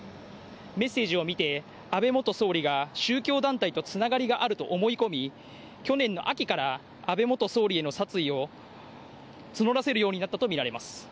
メッセージを見て、安倍元総理が宗教団体とつながりがあると思い込み、去年の秋から安倍元総理への殺意を募らせるようになったと見られます。